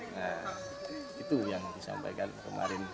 nah itu yang disampaikan kemarin